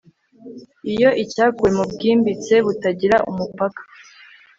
Iyo icyakuwe mubwimbitse butagira umupaka